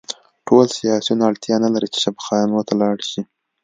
ټول سیاسیون اړتیا نلري چې شفاخانو ته لاړ شي